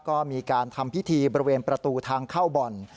ก็มีการทำพิธีบริเวณประตูทางเข้าบ่อน